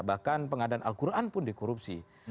bahkan pengadaan al quran pun dikorupsi